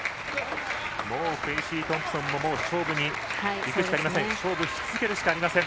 フェイシートンプソンも勝負にいくしかありません。